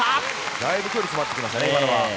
だいぶ距離、詰まってきましたね。